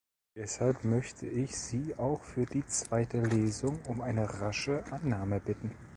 Deshalb möchte ich Sie auch für die zweite Lesung um eine rasche Annahme bitten.